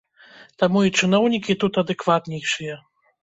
Таму і чыноўнікі тут адэкватнейшыя.